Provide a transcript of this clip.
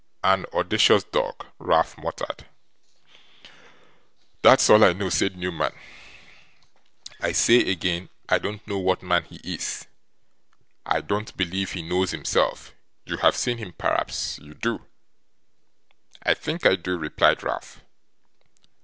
'An audacious dog!' Ralph muttered. 'That's all I know,' said Newman. 'I say again, I don't know what man he is. I don't believe he knows himself. You have seen him; perhaps YOU do.' 'I think I do,' replied Ralph.